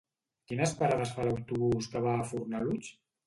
Quines parades fa l'autobús que va a Fornalutx?